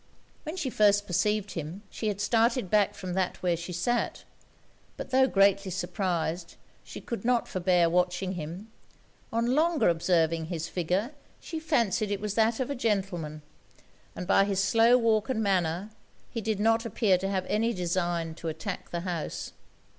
When she first perceived him, she had started back from that where she sat; but tho' greatly surprized, she could not forbear watching him: on longer observing his figure, she fancied it was that of a gentleman; and by his slow walk and manner he did not appear to have any design to attack the house.